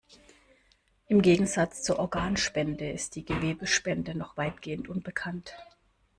Im Gegensatz zur Organspende ist die Gewebespende noch weitgehend unbekannt.